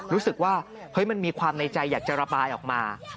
รู้สึกว่าเฮ้ยมันมีความในใจอยากจะระบายออกมา